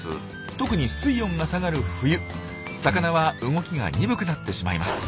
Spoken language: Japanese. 特に水温が下がる冬魚は動きが鈍くなってしまいます。